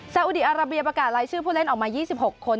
อุดีอาราเบียประกาศรายชื่อผู้เล่นออกมา๒๖คน